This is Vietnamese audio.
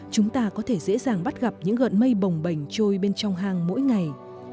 chúng ta có thể dễ dàng bắt gặp những gợn mây bồng bềnh trôi bên trong hang mỗi ngày